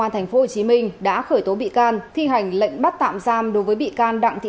an thành phố hồ chí minh đã khởi tố bị can thi hành lệnh bắt tạm giam đối với bị can đặng thị